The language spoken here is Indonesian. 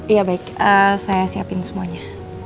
iya baik saya siapin semuanya